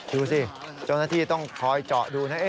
ดูสิเจ้าหน้าที่ต้องคอยเจาะดูนะ